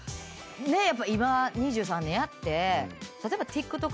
やっぱ今２３年やって例えばＴｉｋＴｏｋ。